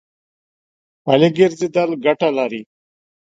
پلي ګرځېدل ګټه لري.